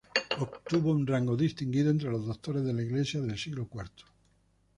Obtuvo un rango distinguido entre los doctores de la Iglesia del cuarto siglo.